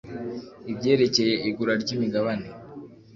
ibyerekeye igura ry imigabane